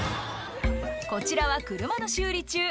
こちらは車の修理中